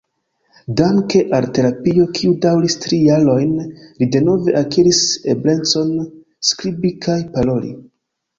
Danke al terapio kiu daŭris tri jarojn, li denove akiris eblecon skribi kaj paroli.